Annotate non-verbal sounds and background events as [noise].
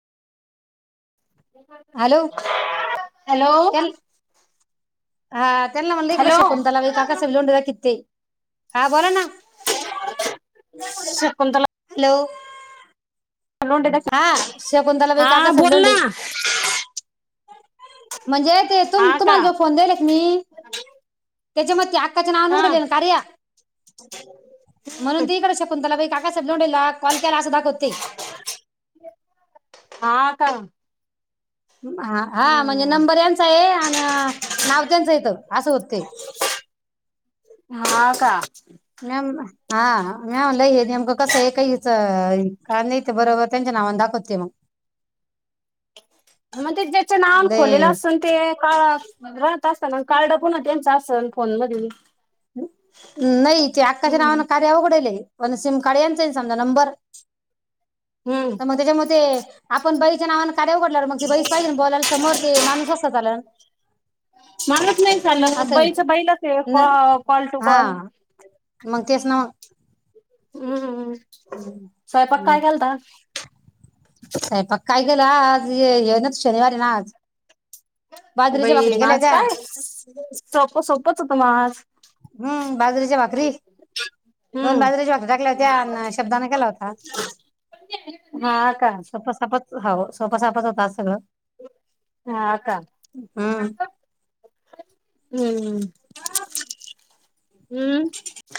Hello hello त्यां हा त्यांना म्हणला इकडे हॅलो शकुतला त्याला काका स लोंडािित ते हा बोला ना शकुंतला हॅलो लोंढे द हा शकुंतलाबाई हा काकासाहेब बोल ना लोंडेई म्हणजे ते तु हा का तुम्हाला जो फोन देल एक मी त्याच्या मग ते अक्काचे नाव हा निकडल कारया म्हणून ती इकडे शकुंतला बाई काकासाहेब लोंडईला कॉल केला असं दाखवते हा का हा म्हणजे हम्म नंबर यांचा आहे आणि नाव त्यांचं येत असं होत ते हा का मॅम हा मॅम ल नेमकं कसं आहेहीच का नाहीेत बरोबर त्यांच्या नावाने दाखवतते मग मग ते ज्याच्या नावन खोलेलं लय असल ते काळ राहत असताना कार्ड पण त्यांच असल फोन मध नाही ते आकाच्या हम्म नावान कार्या उघडालय पण सिम कार्ड यांचय समजा नंबर तर मग हम्म त्याच्यामध्ये आपण बरी च्या नावानं काय उघडला मग त बरीच पाहिजे ना बोलाला समोर ते माणूस असत ला मलाच नाही चाललं असं बाईच बाईलाच आहे कॉल टू हा कॉल मग तेच ना हा [inaudible] हम् हम स्वयंपाक काय मग केलता? स्वयंपाक काय? गेलाय आज येवनक शनिवार आहे ना आज बाजरीच्या बाई भाकरी मग केल्या आज होत्या काय सोप सोपच होत आज हम्म बाजरीच्या भाकरी दोन बाजरीच्या भाकरी टाकल्या हम्म होत्या आणि शब्दाने केला होता [unintelligible] हा का सोपं सापच हो सोपं सोपच होत आज सगळं. हा का हम्म हम् हम्